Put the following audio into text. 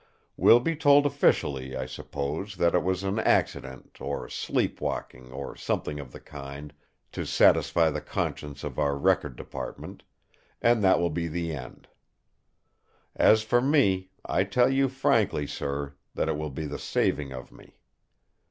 We'll be told officially, I suppose, that it was an accident, or sleep walking, or something of the kind, to satisfy the conscience of our Record Department; and that will be the end. As for me, I tell you frankly, sir, that it will be the saving of me.